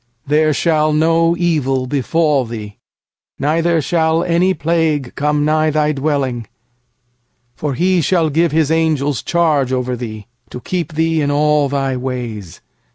842 PSALMS 93.1 10There shall no evil befall thee, Neither shall any plague come nigh thy tent. uFor He will give His angels charge over thee, To keep thee in all thy ways.